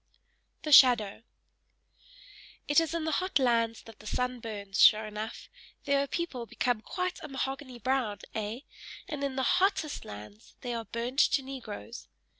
THE SHADOW It is in the hot lands that the sun burns, sure enough! there the people become quite a mahogany brown, ay, and in the HOTTEST lands they are burnt to Negroes.